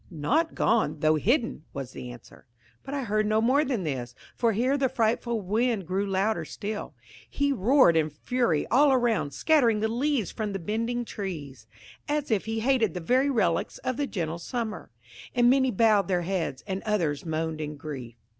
"Not gone, though hidden," was the answer. But I heard no more than this, for here the frightful wind grew louder still. He roared in fury all around, scattering the last leaves from the bending trees, as if he hated the very relics of the gentle summer. And many bowed their heads, and others moaned in grief.